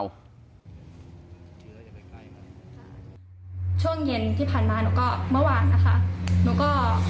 ช่วงเย็นที่ผ่านมาหนูก็เมื่อวานนะคะ